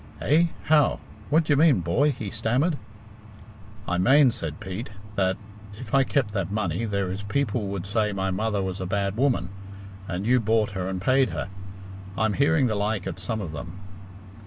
"Eh? How? What d'ye mean, boy?" he stammered. "I mane," said Pete, "that if I kept that money there is people would say my mother was a bad woman, and you bought her and paid her I'm hearing the like at some of them."